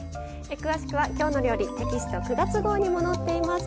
詳しくは「きょうの料理」テキスト９月号にも載っています。